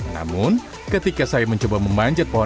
namun ketika saya mencoba memanjat pohon